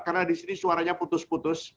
karena di sini suaranya putus putus